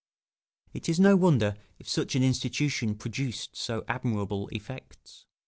] It is no wonder, if such an institution produced so admirable effects.